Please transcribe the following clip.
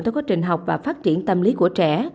trong quá trình học và phát triển tâm lý của trẻ